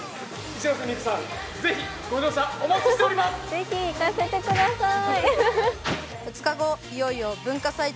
ぜひ行かせてください。